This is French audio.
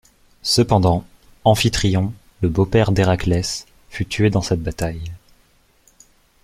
Cependant, Amphitryon, le beau-père d'Héraclès, fut tué dans cette bataille.